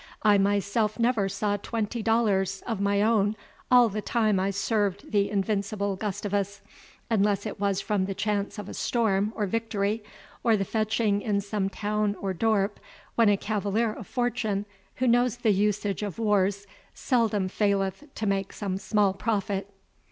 I myself never saw twenty dollars of my own all the time I served the invincible Gustavus, unless it was from the chance of a storm or victory, or the fetching in some town or doorp, when a cavalier of fortune, who knows the usage of wars, seldom faileth to make some small profit."